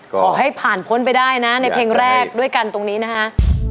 ขอให้ผ่านพ้นไปได้นะในเพลงแรกด้วยกันตรงนี้นะฮะ